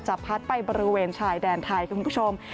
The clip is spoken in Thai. พัดไปบริเวณชายแดนไทยคุณผู้ชม